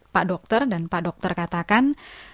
pak dokter dan pak dokter katakan